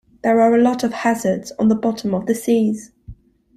There are a lot of hazards on the bottom of the seas.